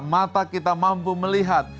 mata kita mampu melihat